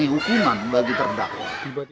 iman bagi terdakwa